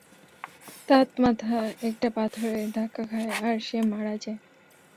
তাত মাথা একটা পাথরে ধাক্কা খায় আর সে মারা যায়।